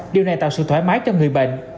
điều này tạo sự thoải mái cho người bệnh